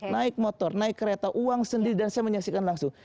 naik motor naik kereta uang sendiri dan saya menyaksikan langsung